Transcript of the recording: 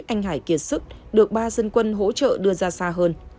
anh hải kiệt sức được ba dân quân hỗ trợ đưa ra xa hơn